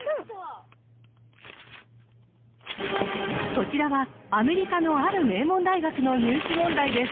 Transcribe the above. こちらはアメリカのある名門大学の入試問題です。